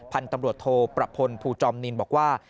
พันธุ์ตำรวจโทประพลภูจอมนินบอกว่า